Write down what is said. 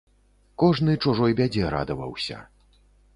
Кожны чужой бядзе радаваўся.